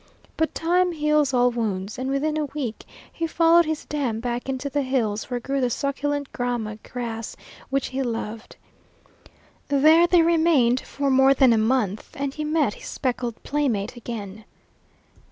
But time heals all wounds, and within a week he followed his dam back into the hills where grew the succulent grama grass which he loved. There they remained for more than a month, and he met his speckled playmate again.